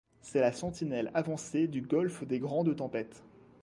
C’est la sentinelle avancée du golfe des grandes tempêtes.